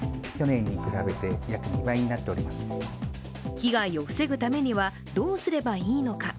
被害を防ぐためにはどうすればいいのか。